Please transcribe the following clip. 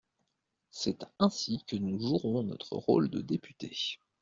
C’est ainsi que nous jouerons notre rôle de député.